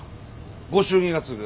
ご祝儀がつぐ。